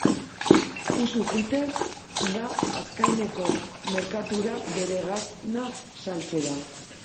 Usu jiten da Azkaineko merkatura bere gasna saltzera.